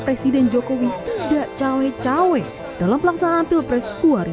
presiden jokowi tidak cawe cawe dalam pelaksanaan pilpres dua ribu dua puluh empat